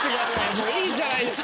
もういいじゃないですか。